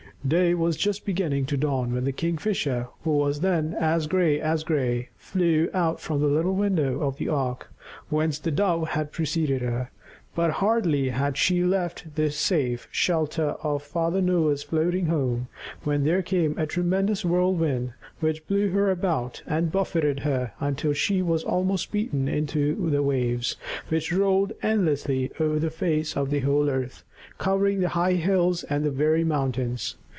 Day was just beginning to dawn when the Kingfisher, who was then as gray as gray, flew out from the little window of the ark whence the Dove had preceded her. But hardly had she left the safe shelter of Father Noah's floating home, when there came a tremendous whirlwind which blew her about and buffeted her until she was almost beaten into the waves, which rolled endlessly over the face of the whole earth, covering the high hills and the very mountains.